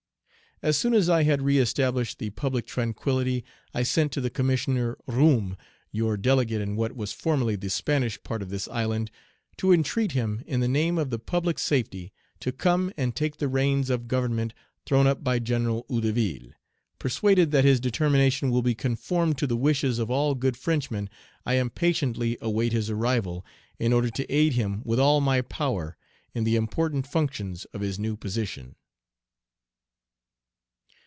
"As soon as I had reëstablished the public tranquillity, I sent to the Commissioner Roume your delegate in what was formerly the Spanish part of this island to entreat him in the name of the public safety to come and take the reins of government thrown up by General Hédouville; persuaded that his determination will be conformed to the wishes of all good Frenchmen, I impatiently await his arrival, in order to aid him with all my power in the important functions of his new position."